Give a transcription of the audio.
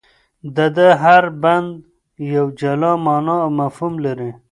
د ده هر بند یوه جلا مانا او مفهوم لري.